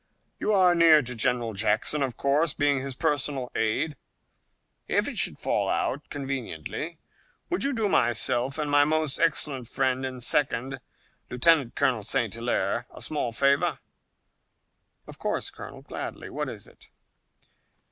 "You are near to General Jackson, of course, being his personal aide. If it should fall out conveniently, would you do myself and my most excellent friend and second, Lieutenant Colonel St. Hilaire, a small favor?" "Of course, Colonel. Gladly. What is it?"